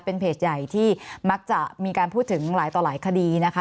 เป็นเพจใหญ่ที่มักจะมีการพูดถึงหลายต่อหลายคดีนะคะ